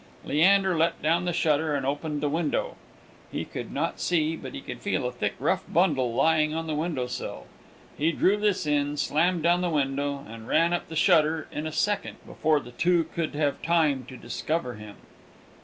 Leander let down the shutter, and opened the window. He could not see, but he could feel a thick, rough bundle lying on the window sill. He drew this in, slammed down the window, and ran up the shutter in a second, before the two could have had time to discover him.